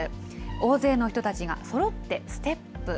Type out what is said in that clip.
大勢の人たちがそろってステップ。